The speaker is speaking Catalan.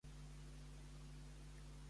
Com es descriu a Lurdane?